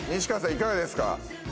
いかがですか？